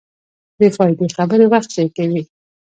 بېفائدې خبرې وخت ضایع کوي.